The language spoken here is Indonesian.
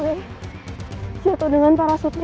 kalau bu lai jatuh dengan parasutnya